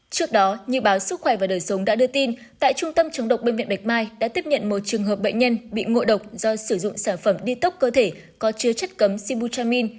trước đó như báo sức khỏe và đời sống đã đưa tin tại trung tâm chống độc bệnh viện bạch mai đã tiếp nhận một trường hợp bệnh nhân bị ngộ độc do sử dụng sản phẩm đi tốc cơ thể có chứa chất cấm sibu chamin